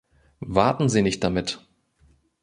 Warten Sie nicht damit!